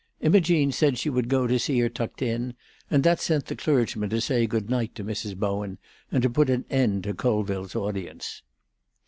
Imogene said she would go to see her tucked in, and that sent the clergyman to say good night to Mrs. Bowen, and to put an end to Colville's audience.